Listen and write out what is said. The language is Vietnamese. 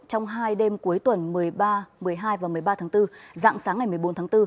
trong hai đêm cuối tuần một mươi ba một mươi hai và một mươi ba tháng bốn dạng sáng ngày một mươi bốn tháng bốn